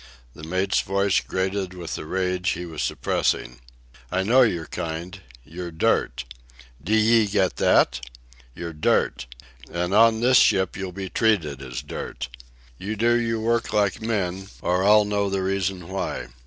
The mate's voice grated with the rage he was suppressing. "I know your kind. You're dirt. D'ye get that? You're dirt. And on this ship you'll be treated as dirt. You'll do your work like men, or I'll know the reason why.